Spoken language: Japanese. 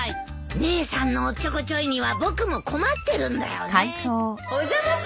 姉さんのおっちょこちょいには僕も困ってるんだよね。